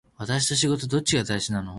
私と仕事どっちが大事なの